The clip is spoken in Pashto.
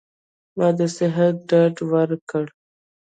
ما د صحت ډاډ ورکړ.